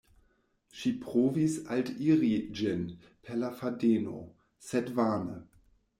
Ŝi provis altiri ĝin per la fadeno, sed vane.